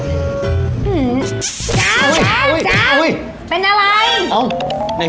เป็นอะไร